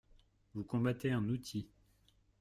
Vous combattez un outil.